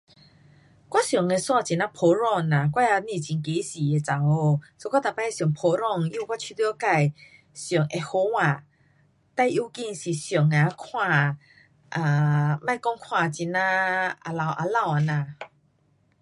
我穿的衣很呀普通啦。我也不很街市的女孩，so 我每次穿普通因为我觉得自穿会好看，最要紧是穿了看，um 不讲看很呀肮脏肮脏这样。